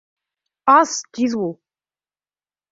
Ас, тиҙ бул!